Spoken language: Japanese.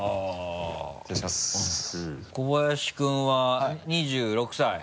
小林君は２６歳？